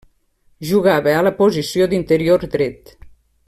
Jugava a la posició d'interior dret.